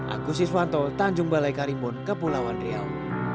agus iswanto tanjung balai karimun kepulauan riau